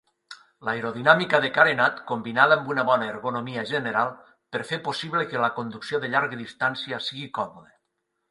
L'aerodinàmica de carenat combinada amb una bona ergonomia general per fer possible que la conducció de llarga distància sigui còmode.